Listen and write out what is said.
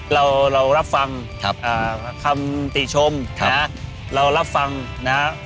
เรารับฟังครับอ่าคำติชมครับนะฮะเรารับฟังนะฮะ